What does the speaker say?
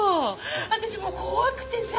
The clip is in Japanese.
私もう怖くてさ。